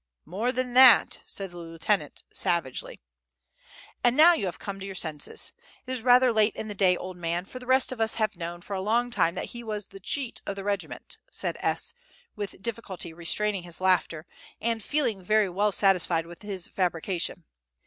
"More than that," said the lieutenant savagely. "And now you have come to your senses; it is rather late in the day, old man, for the rest of us have known for a long time that he was the cheat of the regiment," said S., with difficulty restraining his laughter, and feeling very well satisfied with his fabrication.